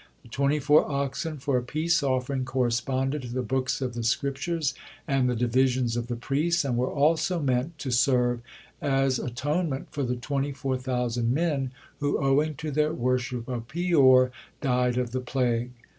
The twenty four oxen for a peace offering corresponded to the books of the Scriptures, and the divisions of the priests, and were also meant to serve as atonement for the twenty four thousand men, who, owing to their worship of Peor, died of the plague.